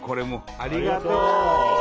ありがとう！